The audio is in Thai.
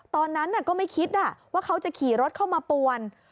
ตอนนั้นก็ไม่คิดว่าเขาจะขี่รถเข้ามาป่วน